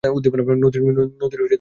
নদীর পানিই খেতে হবে।